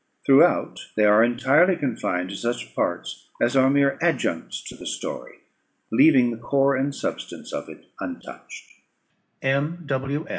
Throughout they are entirely confined to such parts as are mere adjuncts to the story, leaving the core and substance of it untouched. M.